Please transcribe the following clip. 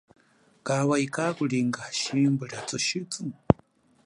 Kawa ika akulinga hashimbu lia thushithu?